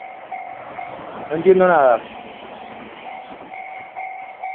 no entiendo nada.